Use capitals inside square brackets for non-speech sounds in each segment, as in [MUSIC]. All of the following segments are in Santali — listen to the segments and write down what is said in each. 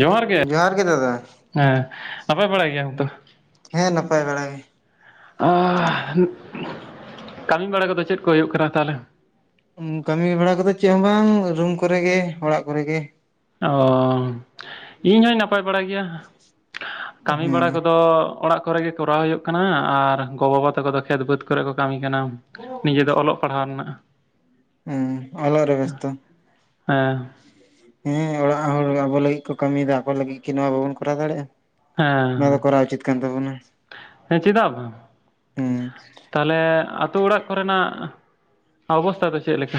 ᱡᱚᱦᱟᱨ ᱜᱮ ᱾ ᱦᱮᱸ ᱱᱟᱯᱟᱭ ᱵᱟᱲᱟᱭ ᱜᱮᱭᱟᱢ ᱛᱚ? ᱦᱮᱸ ᱱᱟᱯᱟᱭ ᱵᱟᱲᱟ ᱜᱮ ᱾ ᱟᱻ ᱦ ᱠᱟᱹᱢᱤ ᱵᱟᱲᱟ ᱠᱚᱫᱚ ᱪᱮᱫ ᱠᱚ ᱦᱩᱭᱩᱜ ᱠᱟᱱᱟ ᱛᱟᱦᱚᱞᱮ? ᱠᱟᱹᱢᱤ ᱵᱟᱲᱟ ᱠᱚᱫᱚ ᱪᱮᱫ ᱦᱚᱸ ᱵᱟᱝ ᱨᱩᱢ ᱠᱚᱨᱮᱜ, ᱚᱲᱟᱜ ᱠᱚᱨᱮ ᱜᱮ ᱾ ᱚᱻ ᱤᱧ ᱦᱚᱧ ᱱᱟᱯᱟᱭ ᱵᱟᱲᱟ ᱜᱮᱭᱟ ᱾ ᱠᱟᱹᱢᱤ ᱦᱮᱸ ᱵᱟᱲᱟ ᱠᱚᱫᱚ ᱚᱲᱟᱜ ᱠᱚᱨᱮ ᱜᱮ ᱠᱚᱨᱟᱣ ᱦᱩᱭᱩᱜ ᱠᱟᱱᱟ, ᱟᱨ ᱜᱚᱼᱵᱟᱵᱟ ᱛᱟᱠᱚ ᱫᱚ ᱠᱷᱮᱛ ᱵᱟᱹᱫᱽ ᱠᱚᱨᱮ ᱠᱚ ᱠᱟᱹᱢᱤ ᱠᱟᱱᱟ ᱱᱤᱡᱮ ᱫᱚ ᱚᱞᱚᱜ ᱯᱟᱲᱦᱟᱣ ᱨᱮᱱᱟᱜ᱾ ᱦᱩᱸ ᱚᱞᱟᱜ ᱨᱮ ᱵᱮᱥᱛᱚ ᱾ ᱦᱮᱸ᱾ ᱦᱮᱸ ᱚᱲᱟᱜ ᱦᱚᱲ ᱟᱵᱚ ᱞᱟᱹᱜᱤᱫ ᱠᱚ ᱠᱟᱹᱢᱤᱭᱮᱫᱟ, ᱟᱠᱚ ᱞᱟᱹᱜᱤᱫ ᱠᱤ ᱱᱚᱣᱟ ᱵᱟᱵᱚᱱ ᱠᱚᱨᱟᱣ ᱫᱟᱲᱮᱭᱟᱜᱼᱟ? ᱱᱚᱣᱟ ᱫᱚ ᱦᱮᱸ ᱠᱚᱨᱟᱣ ᱩᱪᱤᱛ ᱠᱟᱱ ᱛᱟᱵᱚᱱᱟ᱾ ᱦᱮᱸ ᱪᱮᱫᱟᱜ ᱵᱟᱝ ᱦᱮᱸ, ᱛᱟᱦᱚᱞᱮ ᱟᱛᱳ ᱚᱲᱟᱜ ᱠᱚᱨᱮᱱᱟᱜ ᱚᱵᱚᱥᱛᱟ ᱫᱚ ᱪᱮᱫ ᱞᱮᱠᱟ?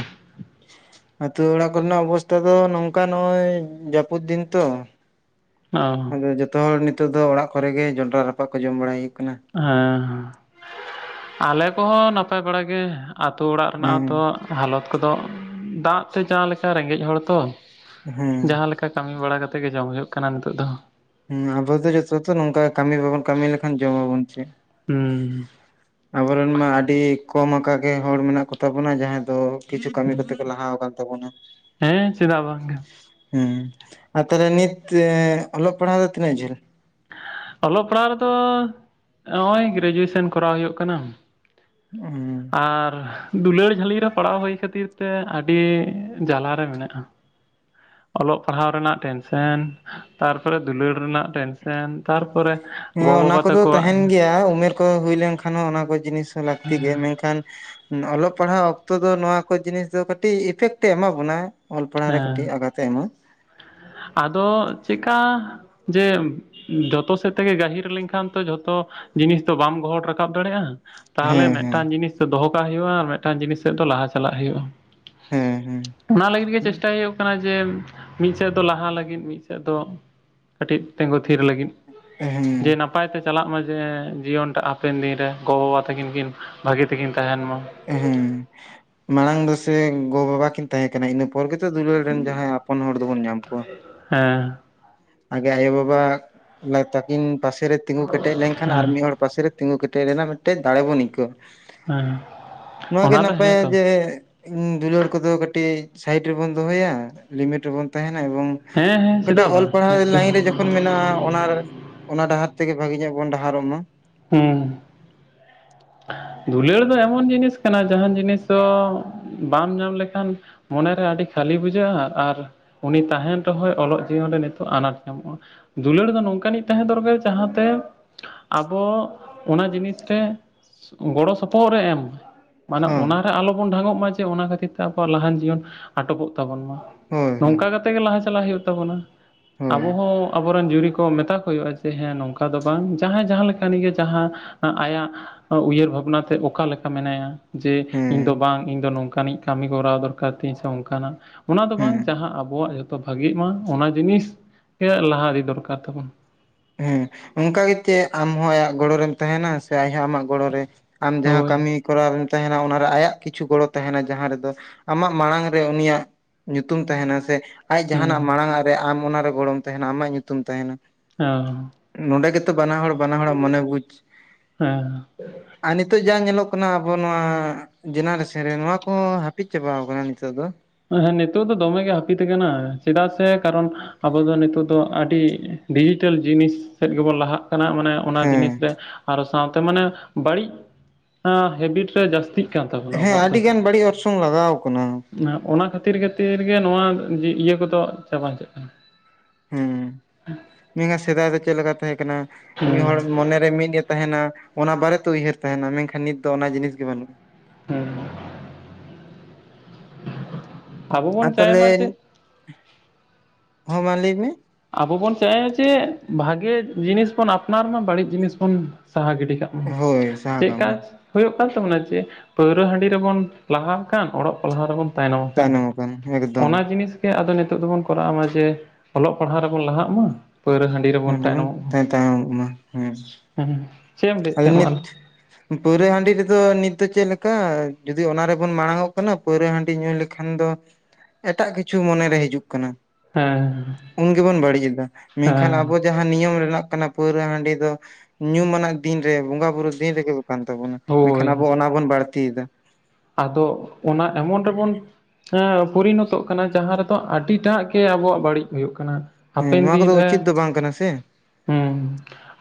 ᱟᱛᱳ ᱚᱲᱟᱜ ᱠᱚᱨᱮᱱᱟᱜ ᱚᱵᱚᱥᱛᱟ ᱫᱚ ᱱᱚᱝᱠᱟ ᱱᱚᱜᱚᱭ ᱡᱟᱹᱯᱩᱫ ᱫᱤᱱ ᱛᱚ, ᱚ ᱟᱫᱚ ᱡᱚᱛᱚ ᱦᱚᱲ ᱱᱤᱛᱳᱜ ᱫᱚ ᱚᱲᱟᱜ ᱠᱚᱨᱮ ᱜᱮ ᱡᱚᱱᱰᱨᱟ ᱨᱟᱯᱟᱜ ᱠᱚ ᱡᱚᱢ ᱵᱟᱲᱟᱭ ᱦᱩᱭᱩᱜ ᱠᱟᱱᱟ ᱾ ᱦᱮᱸ ᱟᱞᱮ ᱠᱚᱦᱚᱸ ᱱᱟᱯᱟᱭ ᱵᱟᱲᱟ ᱜᱮ ᱾ ᱟᱛᱳ ᱚᱲᱟᱜ ᱨᱮᱱᱟᱜ ᱦᱚᱛᱚ ᱦᱮᱸ ᱦᱟᱞᱚᱛ ᱠᱚᱫᱚ ᱫᱟᱜ ᱛᱮ ᱡᱟᱦᱟᱸ ᱞᱮᱠᱟ ᱨᱮᱸᱜᱮᱡ ᱦᱚᱲ ᱛᱚ᱾ ᱦᱮᱸ ᱡᱟᱦᱟᱸᱞᱮᱠᱟ ᱠᱟᱹᱢᱤ ᱵᱟᱲᱟ ᱠᱟᱛᱮ ᱜᱮ ᱡᱚᱢ ᱦᱩᱭᱩᱜ ᱠᱟᱱᱟ ᱱᱤᱛᱳᱜ ᱫᱚ᱾ ᱦᱮᱸ ᱟᱵᱚ ᱡᱚᱛᱚ ᱛᱚ ᱱᱚᱝᱠᱟ ᱠᱟᱹᱢᱤ ᱵᱟᱵᱚᱱ ᱠᱟᱹᱢᱤ ᱞᱮᱠᱷᱟᱱ ᱡᱚᱢᱟᱵᱚᱱ ᱪᱮᱫ? ᱦᱩᱸᱻ ᱟᱵᱚᱨᱮᱱ ᱢᱟ ᱟᱹᱰᱤ ᱠᱚᱢ ᱟᱠᱟ ᱜᱮ ᱦᱚᱲ ᱢᱮᱱᱟᱜ ᱠᱚ ᱛᱟᱵᱚᱱᱟ ᱡᱟᱦᱟᱸᱭ ᱫᱚ ᱠᱤᱪᱷᱩ ᱠᱟᱹᱢᱤ ᱠᱚᱛᱮ ᱠᱚ ᱞᱟᱦᱟ ᱠᱟᱣᱱᱼᱼ ᱛᱟᱵᱚᱱᱟᱼᱼ ᱦᱮᱸ ᱪᱮᱫᱟᱜ ᱵᱟᱝᱜᱮ᱾ ᱦᱮᱸ ᱟᱨ ᱛᱟᱦᱚᱞᱮ ᱱᱤᱛ ᱚᱞᱚᱜ ᱯᱟᱲᱦᱟᱜ ᱫᱚ ᱛᱤᱱᱟᱹᱜ ᱡᱷᱟᱹᱞ? ᱚᱞᱚᱜ ᱯᱟᱲᱦᱟᱜ ᱨᱮᱫᱚ ᱱᱚᱜᱼᱚᱭ ᱜᱨᱮᱡᱩᱭᱮᱥᱚᱱ ᱠᱚᱨᱟᱣ ᱦᱩᱭᱩᱜ ᱠᱟᱱᱟ᱾ ᱦᱩᱸ ᱟᱨ ᱫᱩᱞᱟᱹᱲ ᱡᱷᱟᱹᱞᱤ ᱨᱮ ᱯᱟᱲᱟᱣ ᱦᱩᱭ ᱠᱷᱟᱹᱛᱤᱨ ᱛᱮ ᱟᱹᱰᱤ ᱡᱟᱞᱟᱮ ᱢᱮᱱᱟᱜᱼᱟ᱾ ᱚᱞᱚᱜ ᱯᱟᱲᱦᱟᱣ ᱨᱮᱱᱟᱜ ᱴᱮᱱᱥᱮᱱ᱾ ᱛᱟᱨᱯᱚᱨᱮ ᱫᱩᱞᱟᱹᱲ ᱨᱮᱱᱟᱜ ᱴᱮᱱᱥᱮᱱ ᱛᱟᱨᱯᱚᱨᱮᱼᱼ ᱦᱮᱸ ᱚᱱᱟ ᱠᱚᱫᱚ ᱛᱟᱦᱮᱱ ᱜᱮᱭᱟ ᱩᱢᱮᱨ ᱠᱚ ᱦᱩᱭ ᱞᱮᱱᱠᱷᱟᱱ ᱦᱚᱸ ᱚᱱᱟ ᱠᱚ ᱡᱤᱱᱤᱥᱼᱼ ᱞᱟᱹᱠᱛᱤ ᱜᱮ ᱢᱮᱱᱠᱷᱟᱱᱼᱼ ᱚᱞᱚᱜ ᱯᱟᱲᱦᱟᱜ ᱚᱠᱛᱚ ᱫᱚ ᱱᱚᱣᱟ ᱠᱚ ᱡᱤᱱᱤᱥ ᱫᱚ ᱠᱟᱹᱴᱤᱡ ᱤᱯᱷᱮᱠᱴ ᱮᱢᱟ ᱵᱚᱱᱟ ᱚᱞ ᱯᱟᱲᱦᱟᱣ ᱨᱮ ᱠᱟᱴᱤᱡ ᱟᱜᱟᱛ᱾ ᱛᱮ ᱮᱢᱟ᱾ ᱟᱫᱚ ᱪᱮᱜᱠᱟᱼᱼ ᱡᱮ ᱡᱚᱛᱚ ᱥᱮᱫ ᱛᱮᱜᱮ ᱜᱟᱹᱦᱤᱨ ᱞᱮᱱᱠᱷᱟᱱ ᱛᱚ ᱡᱷᱚᱛᱚᱼᱼ ᱡᱤᱱᱤᱥ ᱫᱚ ᱵᱟᱢ ᱜᱚᱦᱚᱲ ᱨᱟᱠᱟᱵ ᱫᱟᱲᱮᱭᱟᱜᱼᱟ᱾ ᱛᱟᱦᱚᱞᱮ ᱦᱮᱸ ᱦᱮᱸ ᱢᱤᱫᱴᱟᱱ ᱡᱤᱱᱤᱥ ᱫᱚᱦᱚ ᱠᱟᱜ ᱦᱩᱭᱩᱜᱼᱟ ᱟᱨ ᱢᱤᱫᱴᱟᱱ ᱡᱤᱱᱤᱥ ᱥᱮᱫ ᱫᱚ ᱞᱟᱦᱟ ᱪᱟᱞᱟᱜ ᱦᱩᱭᱩᱜᱼᱟ᱾ ᱦᱮᱸ ᱚᱱᱟ ᱞᱟᱹᱜᱤᱫ ᱜᱮ ᱪᱮᱥᱴᱟᱭ ᱦᱩᱭᱩᱜ ᱠᱟᱱᱟ ᱡᱮᱼᱼ ᱢᱤᱫ ᱥᱮᱫ ᱫᱚ ᱞᱟᱦᱟ ᱞᱟᱹᱜᱤᱫ ᱢᱤᱫ ᱥᱮᱫ ᱫᱚ ᱠᱟᱹᱴᱤᱡ ᱛᱤᱸᱜᱩ ᱛᱷᱤᱨ ᱞᱟᱹᱜᱤᱫ᱾ ᱦᱮᱸ ᱡᱮ [INAUDIBLE] ᱱᱟᱯᱟᱭ ᱛᱮ ᱪᱟᱞᱟᱜ ᱢᱟ ᱡᱮ ᱡᱤᱭᱚᱱ ᱴᱟᱜ ᱦᱟᱯᱮᱱ ᱫᱤᱱᱨᱮ ᱜᱚᱼᱵᱟᱵᱟ ᱛᱟᱹᱠᱤᱱ ᱠᱤᱱ ᱵᱷᱟᱹᱜᱤ ᱛᱮᱠᱤᱱ ᱛᱟᱦᱮᱱ ᱢᱟ᱾ ᱦᱮᱸ [INAUDIBLE] ᱢᱟᱲᱟᱝ ᱫᱚ ᱥᱮ ᱜᱚ ᱵᱟᱵᱟ ᱠᱤᱱ ᱛᱟᱦᱮᱸ ᱠᱟᱱᱟ ᱤᱱᱟᱹ ᱯᱚᱨ ᱜᱮᱛᱚ ᱫᱩᱞᱟᱹᱲ ᱨᱮᱱ ᱡᱟᱦᱟᱸᱭ ᱟᱯᱚᱱ ᱦᱚᱲ ᱫᱚᱵᱚᱱ ᱧᱟᱢ ᱠᱚᱣᱟ᱾ ᱦᱮᱸ ᱟᱜᱮ ᱟᱭᱳᱵᱟᱵᱟ ᱛᱟᱹᱠᱤᱱ ᱯᱟᱥᱮᱨᱮ ᱛᱤᱸᱜᱩ ᱠᱮᱴᱮᱡ ᱞᱮᱱᱠᱷᱟᱱ ᱟᱨ ᱦᱮᱸ ᱢᱤᱫ ᱦᱚᱲᱼᱼ ᱯᱟᱥᱮ ᱨᱮ ᱛᱤᱸᱜᱩ ᱠᱮᱴᱮᱡ ᱞᱮ ᱨᱮᱱᱟᱜ ᱢᱤᱫᱴᱮᱡ ᱫᱟᱲᱮ ᱵᱚᱱ ᱟᱹᱭᱠᱟᱹᱣᱟ᱾ ᱦᱮᱸ ᱱᱚᱣᱟ ᱜᱮ ᱚᱱᱟ ᱫᱚ ᱱᱟᱯᱟᱭᱟ ᱦᱮᱸᱛᱚ ᱡᱮᱼᱼ ᱤᱧ ᱫᱩᱞᱟᱹᱲ ᱠᱚᱫᱚ ᱠᱟᱹᱴᱤᱡ ᱥᱟᱭᱤᱴ ᱨᱮᱵᱚᱱ ᱫᱚᱦᱚᱭᱟ ᱞᱤᱢᱤᱴ ᱨᱮᱵᱚᱱ ᱛᱟᱦᱮᱱᱟ ᱮᱵᱚᱝᱼᱼ ᱦᱮᱸ ᱦᱮᱸ ᱥᱮᱫᱟᱜ ᱵᱟᱝ᱾ ᱱᱤᱥᱪᱳᱭ ᱞᱟᱭᱤᱱ ᱨᱮ ᱡᱚᱠᱷᱚᱱ ᱢᱮᱱᱟᱜᱼᱟ ᱚᱱᱟ ᱚᱱᱟ ᱰᱟᱦᱟᱨ ᱛᱮᱜᱮ ᱵᱷᱟᱜᱤ ᱧᱚᱜ ᱵᱚᱱ ᱰᱟᱦᱟᱨᱚᱜ ᱢᱟ᱾ ᱦᱩᱸ ᱫᱩᱞᱟᱹᱲ ᱫᱚ ᱮᱢᱚᱱ ᱡᱤᱱᱤᱥ ᱠᱟᱱᱟ ᱡᱟᱦᱟᱱ ᱡᱤᱱᱤᱥ ᱫᱚ ᱵᱟᱢ ᱧᱟᱢ ᱞᱮᱠᱷᱟᱱᱼᱼ ᱢᱚᱱᱮᱨᱮ ᱟᱹᱰᱤ ᱠᱷᱟᱹᱞᱤ ᱵᱩᱡᱷᱟᱹᱜᱼᱟ ᱟᱨ ᱼᱼ ᱩᱱᱤ ᱛᱟᱦᱮᱱ ᱨᱮᱦᱚᱸᱭ ᱚᱞᱚᱜ ᱡᱤᱭᱚᱱ ᱨᱮ ᱱᱤᱛᱚᱜ ᱟᱱᱟᱴ ᱧᱟᱢᱚᱜᱼᱟ᱾ ᱫᱩᱞᱟᱹᱲ ᱫᱚ ᱱᱚᱝᱠᱟᱱᱤᱡ ᱛᱟᱦᱮᱸ ᱫᱚᱨᱠᱟᱨ ᱡᱟᱦᱟᱸᱛᱮ ᱟᱵᱚ ᱚᱱᱟ ᱡᱤᱱᱤᱥ ᱨᱮᱼᱼ ᱜᱚᱲᱚ ᱥᱚᱯᱚᱦᱚᱫ ᱨᱮ ᱮᱢ ᱢᱟᱱᱮ ᱦᱮᱸ ᱚᱱᱟᱨᱮ ᱟᱞᱚᱵᱚᱱ ᱰᱷᱟᱸᱜᱚᱜ ᱢᱟ, ᱚᱱᱟ ᱠᱷᱟᱹᱛᱤᱨ ᱛᱮ ᱟᱵᱚᱣᱟᱜ ᱞᱟᱦᱟᱱ ᱡᱤᱭᱚᱱ ᱟᱴᱚᱠᱚᱜ ᱛᱟᱵᱚᱱ ᱢᱟ ᱦᱳᱭ ᱦᱳᱭ ᱱᱚᱝᱠᱟ ᱠᱟᱛᱮ᱾ ᱛᱮᱜᱮ ᱞᱟᱦᱟ ᱪᱟᱞᱟᱜ ᱦᱩᱭᱩᱜ ᱛᱟᱵᱚᱱᱟ᱾ ᱦᱳᱭ ᱟᱵᱚ ᱦᱚᱸ ᱟᱵᱚᱨᱮᱱ ᱡᱩᱨᱤ ᱠᱚ ᱢᱮᱛᱟ ᱠᱚ ᱦᱩᱭᱩᱜᱼᱟ ᱡᱮ ᱦᱮᱸ ᱱᱚᱝᱠᱟ ᱫᱚ ᱵᱟᱝ ᱡᱟᱦᱟᱸᱭ ᱡᱟᱦᱟᱸ ᱞᱮᱠᱟᱱ ᱜᱮ ᱡᱟᱦᱟᱸᱼᱼ ᱟᱭᱟᱜᱼᱼ ᱩᱭᱦᱟᱹᱨ ᱵᱷᱟᱵᱽᱱᱟᱛᱮ ᱚᱠᱟ ᱞᱮᱠᱟ ᱢᱮᱱᱟᱭᱟ ᱡᱮ ᱤᱧ ᱦᱮᱸ ᱫᱚ ᱵᱟᱝ ᱤᱧ ᱫᱚ ᱱᱚᱝᱠᱟᱱᱤᱡ ᱠᱟᱹᱢᱤ ᱠᱚᱨᱟᱣ ᱫᱚᱨᱠᱟᱨ᱾ ᱠᱟᱴᱤᱡ ᱥᱮ ᱚᱝᱠᱟ ᱱᱟᱜ ᱚᱱᱟ ᱫᱚ ᱵᱟᱝ ᱦᱮᱸ ᱡᱟᱦᱟᱸ ᱟᱵᱚᱣᱟᱜ ᱡᱷᱚᱛᱚ ᱵᱷᱟᱹᱜᱤᱜ ᱢᱟ ᱚᱱᱟ ᱡᱤᱱᱤᱥ ᱞᱟᱦᱟ ᱟᱹᱰᱤ ᱫᱚᱨᱠᱟᱨ ᱛᱟᱵᱚᱱ᱾ ᱦᱮᱸ ᱚᱱᱠᱟ ᱜᱮᱛ ᱟᱢᱦᱚᱸ ᱟᱭᱟᱜ ᱜᱚᱲᱚ ᱨᱮᱢ ᱛᱟᱦᱮᱱᱟ, ᱥᱮ ᱟᱡ ᱦᱚ ᱟᱢᱟᱜ ᱜᱚᱲᱚ ᱨᱮ ᱟᱢ ᱡᱟᱦᱟᱸ ᱦᱳᱭ ᱠᱟᱹᱢᱤ ᱠᱚᱨᱟᱣ ᱛᱟᱦᱮᱱᱟ ᱚᱱᱟᱨᱮ ᱟᱭᱟᱜ ᱠᱤᱪᱷᱩ ᱜᱚᱲᱚ ᱛᱟᱦᱮᱱᱟ ᱡᱟᱦᱟᱸ ᱨᱮᱫᱚ ᱟᱢᱟᱜ ᱢᱟᱲᱟᱝ ᱨᱮ ᱩᱱᱤᱭᱟᱜ ᱧᱩᱛᱩᱢ ᱛᱟᱸᱦᱮᱸᱱᱟ, ᱥᱮ ᱟᱡ ᱡᱟᱦᱟᱱᱟᱜ ᱦᱩᱸ ᱢᱟᱲᱟᱝ ᱟᱜ ᱨᱮ ᱟᱢ ᱚᱱᱟᱨᱮ ᱜᱚᱲᱚᱢ ᱛᱟᱸᱦᱮᱸᱱᱟ ᱟᱢᱟᱜ ᱧᱩᱛᱩᱢ ᱛᱟᱸᱦᱮᱸᱱᱟ᱾ ᱚᱻ ᱱᱚᱰᱮ ᱜᱮᱛᱚ ᱵᱟᱱᱟ ᱦᱚᱲ ᱵᱟᱱᱟ ᱦᱚᱲᱟᱜ ᱢᱚᱱᱮ ᱵᱩᱡ ᱦᱮᱸ ᱟᱨ ᱱᱤᱛᱚᱜ ᱡᱟ ᱧᱮᱞᱚᱜ ᱠᱟᱱᱟ, ᱟᱵᱚ ᱱᱚᱣᱟ ᱡᱮᱱᱟᱨᱮᱥᱮᱱ ᱨᱮ ᱱᱚᱣᱟ ᱠᱚ ᱦᱟᱯᱤᱫ ᱪᱟᱵᱟᱣ ᱠᱟᱱᱟ ᱱᱤᱛᱚᱜ ᱫᱚ᱾ ᱦᱮᱸ ᱱᱤᱛᱚᱜ ᱫᱚ ᱫᱚᱢᱮ ᱜᱮ ᱦᱟᱯᱤᱛ ᱠᱟᱱᱟ, ᱪᱮᱫᱟᱜ ᱥᱮ ᱠᱟᱨᱚᱱ ᱟᱵᱚ ᱫᱚ ᱱᱤᱛᱚᱜ ᱫᱚ ᱟᱹᱰᱤ ᱰᱤᱡᱤᱴᱮᱞ ᱡᱤᱱᱤᱥ ᱥᱮᱫ ᱜᱮᱵᱚᱱ ᱞᱟᱦᱟᱜ ᱠᱟᱱᱟ᱾ ᱚᱱᱟ ᱡᱤᱱᱤᱥ ᱦᱮᱸ ᱨᱮ ᱟᱨᱚ ᱥᱟᱶᱛᱮ ᱢᱟᱱᱮ ᱵᱟᱹᱲᱤᱪ ᱦᱮᱵᱤᱴ ᱨᱮ ᱡᱟᱹᱥᱛᱤ ᱦᱮᱸ ᱟᱰᱤ ᱜᱟᱱ ᱵᱟᱹᱲᱤᱡ ᱚᱨᱥᱚᱝ ᱞᱟᱜᱟᱣ ᱠᱟᱱᱟ᱾ ᱚᱱᱟ ᱠᱷᱟᱹᱛᱤᱨ ᱠᱷᱟᱹᱛᱤᱨ ᱜᱮ ᱱᱚᱣᱟ ᱤᱭᱟᱹ ᱠᱚᱫᱚ ᱪᱟᱵᱟᱪᱟᱜ ᱦᱤᱡᱩᱜ ᱠᱟᱱᱟ᱾ ᱦᱩᱸ ᱥᱮᱫᱟᱭ ᱫᱚ ᱪᱮᱫ ᱞᱮᱠᱟ ᱛᱟᱦᱮᱸ ᱠᱟᱱᱟ ᱢᱤᱫ ᱦᱚᱲ ᱦᱮᱸ ᱢᱚᱱᱮᱨᱮ ᱢᱤᱫᱼᱮ ᱛᱟᱸᱦᱮᱸᱱᱟ᱾ ᱚᱱᱟ ᱵᱟᱨᱮᱛᱮ ᱩᱭᱦᱟᱹᱨ ᱛᱟᱸᱦᱮᱸᱱᱟ ᱢᱮᱱᱠᱷᱟᱱ ᱱᱤᱛ ᱫᱚ ᱚᱱᱟ ᱡᱤᱱᱤᱥ ᱜᱮ ᱵᱟᱹᱱᱩᱜᱼᱟ᱾ ᱦᱩᱸ ᱟᱵᱚ ᱟᱨ ᱵᱚᱱ ᱪᱟᱭ ᱛᱟᱦᱞᱮ, ᱢᱟ ᱪᱮᱫ ᱦᱚᱸ ᱢᱟ ᱞᱟᱹᱭ ᱢᱮ᱾ ᱟᱵᱚ ᱵᱚᱱ ᱪᱟᱭᱟ ᱡᱮ ᱵᱷᱟᱜᱮ ᱡᱤᱱᱤᱥ ᱵᱚᱱ ᱟᱯᱱᱟᱨ ᱢᱟ ᱵᱟᱹᱲᱤᱡ ᱡᱤᱱᱤᱥ ᱵᱚᱱ ᱥᱟᱦᱟ ᱜᱤᱰᱤ ᱠᱟᱜ᱾ ᱦᱳᱭ ᱥᱟᱦᱟ ᱪᱮᱫ ᱠᱟᱜ ᱢᱮ ᱠᱟᱡ ᱦᱩᱭᱩᱜ ᱠᱟᱱ ᱛᱟᱵᱚᱱᱟ ᱡᱮ ᱯᱟᱹᱣᱨᱟᱹ ᱦᱟᱺᱰᱤ ᱨᱮᱵᱚᱱ ᱞᱟᱦᱟᱜ ᱠᱟᱱ ᱚᱞᱚᱜ ᱯᱟᱲᱦᱟᱣ ᱨᱮᱵᱚᱱ ᱛᱟᱭᱱᱚᱢ ᱟᱠᱟᱱ᱾ ᱚᱱᱟ ᱡᱤᱱᱤᱥ ᱜᱮ ᱟᱫᱚ ᱱᱤᱛᱚᱜ ᱫᱚᱵᱚᱱ ᱠᱚᱨᱟᱣ ᱢᱟ ᱡᱮ ᱯᱟᱲᱦᱟᱣ ᱨᱮᱵᱚᱱ ᱞᱟᱦᱟᱜ ᱢᱟ, ᱯᱟᱹᱣᱨᱟᱹ ᱦᱟᱺᱰᱤ ᱨᱮᱵᱚᱱ ᱵᱚᱱ ᱛᱟ ᱛᱟᱭᱚᱢᱚᱜ ᱢᱟ᱾ ᱦᱩᱸ᱾ ᱟᱫᱚ ᱱᱤᱛ ᱯᱟᱹᱣᱨᱟᱹ ᱦᱟᱺᱰᱤ ᱨᱮᱫᱚ ᱱᱤᱛ ᱫᱚ ᱪᱮᱫ ᱞᱮᱠᱟ ᱡᱩᱫᱤ ᱚᱱᱟ ᱨᱮᱵᱚᱱ ᱢᱟᱲᱟᱝ ᱚᱜ ᱠᱟᱱᱟ, ᱯᱟᱹᱣᱨᱟᱹ ᱦᱟᱺᱰᱤ ᱧᱩ ᱞᱮᱠᱷᱟᱱ ᱫᱚ ᱮᱴᱟᱜ ᱠᱤᱪᱷᱩ ᱢᱚᱱᱮᱨᱮ ᱦᱤᱡᱩᱜ ᱠᱟᱱᱟ ᱩᱱ ᱜᱮᱵᱚᱱ ᱵᱟᱹᱲᱤᱡ ᱮᱫᱟ, ᱢᱮᱱᱠᱷᱟᱱ ᱦᱮᱸ ᱟᱵᱚ ᱡᱟᱸᱦᱟᱸ ᱱᱤᱭᱚᱢ ᱨᱮᱱᱟᱜ ᱠᱟᱱᱟ ᱯᱟᱹᱣᱨᱟᱹ ᱦᱟᱺᱰᱤ ᱫᱚ ᱧᱩᱢ ᱟᱱᱟᱜ ᱫᱤᱱ ᱨᱮ ᱵᱚᱸᱜᱟ ᱵᱩᱨᱩ ᱫᱤᱱ ᱨᱮᱜᱮ, ᱠᱟᱱ ᱛᱟᱵᱚᱱᱟ ᱢᱮᱱᱠᱷᱟᱱ ᱟᱵᱚ ᱦᱳᱭ ᱚᱱᱟ ᱵᱚᱱ ᱵᱟᱹᱲᱛᱤᱭᱮᱫᱟ᱾ ᱟᱫᱚ ᱚᱱᱟ ᱮᱢᱚᱱ ᱨᱮᱵᱚᱱ ᱦᱮᱸ ᱯᱚᱨᱤᱱᱚᱛᱚᱜ ᱠᱟᱱᱟ ᱡᱟᱸᱦᱟᱸ ᱨᱮᱫᱚ ᱟᱹᱰᱤᱴᱟᱜ ᱜᱮ ᱟᱵᱚᱣᱟᱜ ᱵᱟᱹᱲᱤᱡ ᱦᱩᱭᱩᱜ ᱠᱟᱱᱟ᱾ ᱦᱮᱸ ᱦᱟᱯᱮᱱ ᱱᱚᱣᱟ ᱫᱤᱱ ᱠᱚᱫᱚ ᱨᱮ ᱩᱪᱤᱛ ᱫᱚ ᱵᱟᱝ ᱠᱟᱱᱟ ᱥᱮ ᱦᱩᱸ